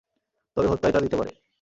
তবে হত্যায় তা দিতে পারে।